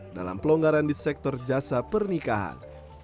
dalam pelonggaran di sektor jasa pernikahan